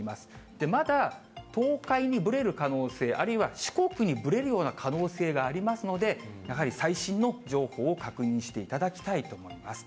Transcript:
で、まだ東海にぶれる可能性、あるいは四国にぶれるような可能性がありますので、やはり最新の情報を確認していただきたいと思います。